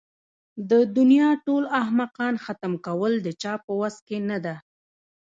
د دنيا ټول احمقان ختم کول د چا په وس کې نه ده.